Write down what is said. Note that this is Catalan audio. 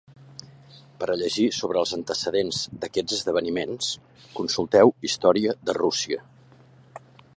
Per a llegir sobre els antecedents d'aquests esdeveniments, consulteu Història de Russia.